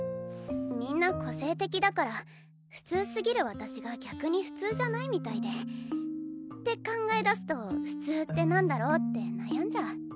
みんな個性的だから普通すぎる私が逆に普通じゃないみたいで。って考えだすと普通ってなんだろうって悩んじゃう。